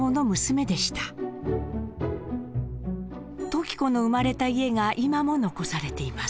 時子の生まれた家が今も残されています。